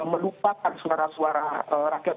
melupakan suara suara rakyat